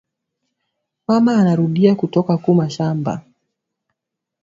Mama anarudiya kutoka ku mashamba